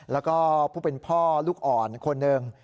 แล้วก็ผู้เป็นพ่อลูกอ่อนคนหนึ่ง